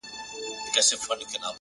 د زغم ځواک شخصیت لوړه وي